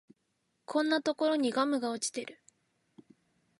こんなところにガムが落ちてる